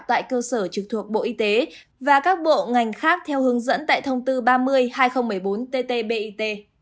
tại cơ sở trực thuộc bộ y tế và các bộ ngành khác theo hướng dẫn tại thông tư ba mươi hai nghìn một mươi bốn tt bit